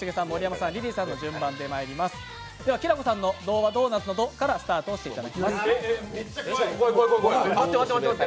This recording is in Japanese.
きらこさんのドはドーナツのドからスタートしていただきます。